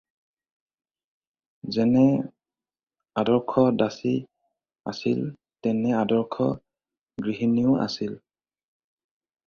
যেনে আদৰ্শ দাসী আছিল, তেনে আদৰ্শ গৃহিণীও আছিল।